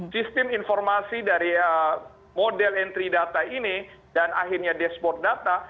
sistem informasi dari model entry data ini dan akhirnya dashboard data